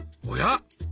おや？